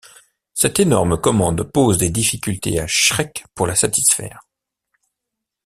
Cette énorme commande pose des difficultés à Schreck pour la satisfaire.